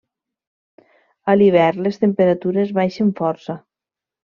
A l'hivern, les temperatures baixen força.